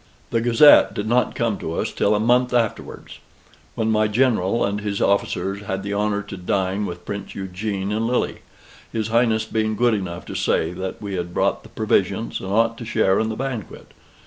The Gazette did not come to us till a month afterwards; when my General and his officers had the honor to dine with Prince Eugene in Lille; his Highness being good enough to say that we had brought the provisions, and ought to share in the banquet.